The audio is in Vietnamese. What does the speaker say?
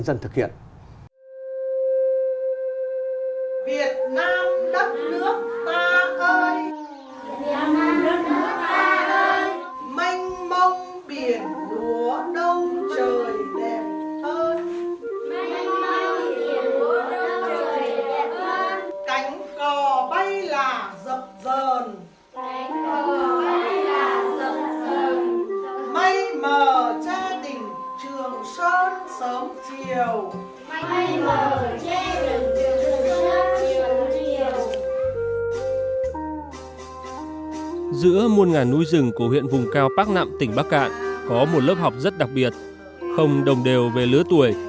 giữa muôn ngàn núi rừng của huyện vùng cao bắc nạm tỉnh bắc cạn có một lớp học rất đặc biệt không đồng đều về lứa tuổi